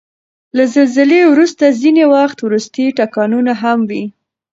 له زلزلې وروسته ځینې وخت وروستی ټکانونه هم وي.